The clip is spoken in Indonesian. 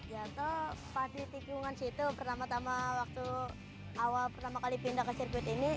ya pabrik tikungan situ pertama tama waktu awal pertama kali pindah ke sirkuit ini